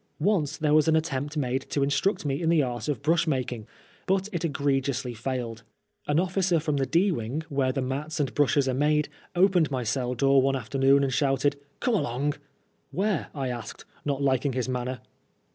Once there was an attempt made to in struct me in the art of brush making, but it egregiously failed. An officer from the D wing, where the mats and brushes are made, opened my cell door one after noon, and shouted, "Come along I" " Where ?'' Tasked, not liking his manner.